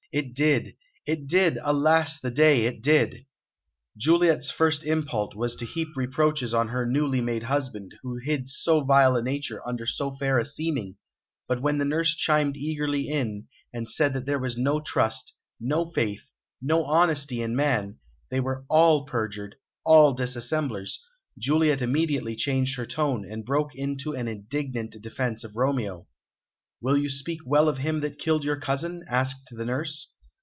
"It did it did. Alas the day, it did!" Juliet's first impulse was to heap reproaches on her newly made husband, who hid so vile a nature under so fair a seeming; but when the nurse chimed eagerly in, and said there was no trust, no faith, no honesty in man, they were all perjured, all dissemblers, Juliet immediately changed her tone, and broke into an indignant defence of Romeo. "Will you speak well of him that killed your cousin?" asked the nurse.